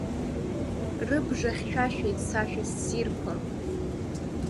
Рыбжа хьшәашәеит сашәа ссирқәа.